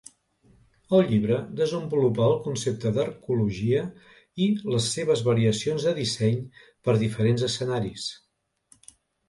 El llibre desenvolupa el concepte d'arcologia i les seves variacions de disseny per a diferents escenaris.